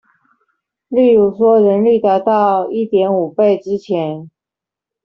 例如說人力達到一點五倍之前